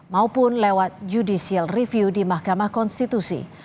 maupun lewat judicial review di mahkamah konstitusi